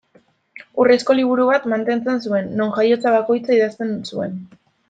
Urrezko liburu bat mantentzen zuen, non jaiotza bakoitza idazten zuen.